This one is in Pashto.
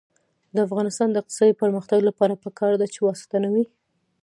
د افغانستان د اقتصادي پرمختګ لپاره پکار ده چې واسطه نه وي.